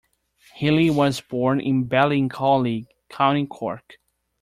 Healy was born in Ballincollig, County Cork.